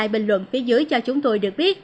bình luận phía dưới cho chúng tôi được biết